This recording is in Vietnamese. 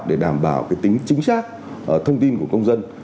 để đảm bảo tính chính xác thông tin của công dân